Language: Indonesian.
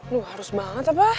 lo harus banget apa